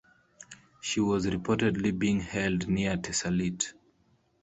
She was reportedly being held near Tessalit.